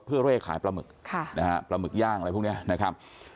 เพื่อเร่ขายปลาหมึกนะฮะปลาหมึกย่างอะไรพวกนี้นะครับ